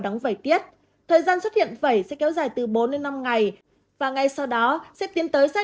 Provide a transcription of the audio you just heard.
đóng vẩy tiết thời gian xuất hiện vẩy sẽ kéo dài từ bốn đến năm ngày và ngay sau đó sẽ tiến tới sát